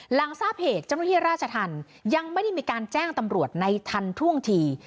หลังทราบเหตุเจ้าหน้าที่ราชธรรมยังไม่ได้มีการแจ้งตำรวจในทันท่วงที